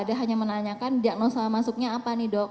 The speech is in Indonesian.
ada hanya menanyakan diagnosa masuknya apa nih dok